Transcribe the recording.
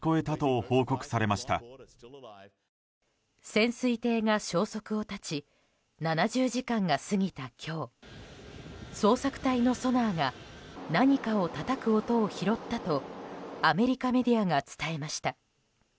潜水艇が消息を絶ち７０時間が過ぎた今日捜索隊のソナーが何かをたたく音を拾ったとアメリカメディアが伝えました。